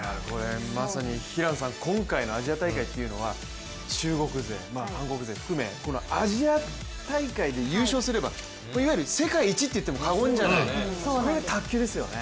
まさに平野さん、今回のアジア大会というのは中国勢、韓国勢含め、アジア大会で優勝すればいわゆる世界一と言っても過言じゃない、これが卓球ですよね。